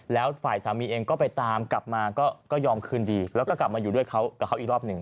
แล้วฝ่ายสามีเองก็ไปตามกลับมาก็ยอมคืนดีแล้วก็กลับมาอยู่ด้วยเขากับเขาอีกรอบหนึ่ง